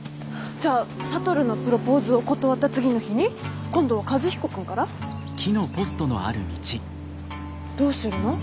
じゃあ智のプロポーズを断った次の日に今度は和彦君から？どうするの？